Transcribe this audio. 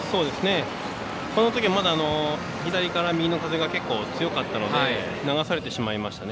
このときはまだ左から右の風が結構強かったので流されてしまいました。